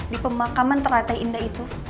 di pemakaman terlateh indah itu